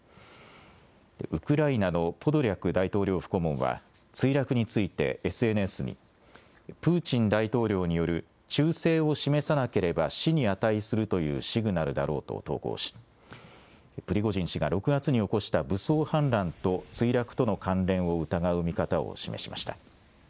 ウクライナのポドリャク大統領府顧問は墜落についてＳＮＳでプーチン大統領による忠誠を示さなければ死に値するというシグナルだろうと投稿しプリゴジン氏が６月に起こした武装反乱と墜落との関連を疑う見方を示しました。